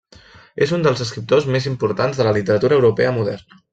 És un dels escriptors més importants de la literatura europea moderna.